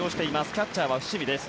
キャッチャーは伏見です。